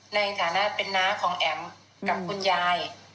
ในฐานะเป็นน้าของแอ๋มกับคุณยาย